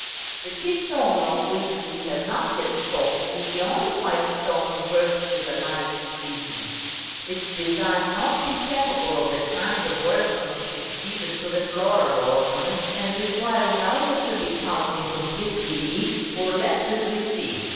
The keystone, of which we have not yet spoken, is the only white stone worked with the light incision; its design not being capable of the kind of workmanship given to the floral ornaments, and requiring either to be carved in complete relief, or left as we see it.